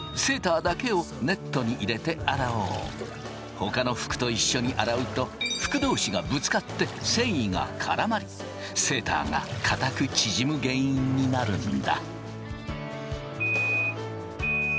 ほかの服と一緒に洗うと服同士がぶつかって繊維がからまりセーターが固く縮む原因になるんだ。